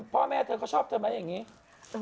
พ่อแม่เขาชอบจะแม่แบบนี้